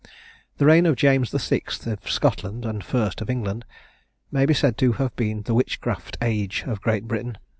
The reign of James the Sixth of Scotland, and First of England, may be said to have been the witchcraft age of Great Britain.